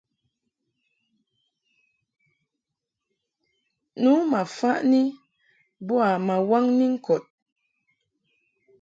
Nu ma faʼni boa ma waŋni ŋkɔd.